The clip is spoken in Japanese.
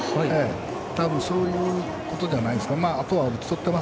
たぶんそういうことじゃないですか。